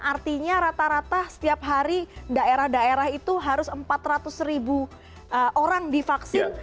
artinya rata rata setiap hari daerah daerah itu harus empat ratus ribu orang divaksin